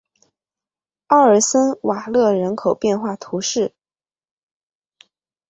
奥尔森瓦勒人口变化图示